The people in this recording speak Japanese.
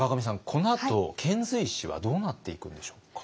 このあと遣隋使はどうなっていくんでしょうか。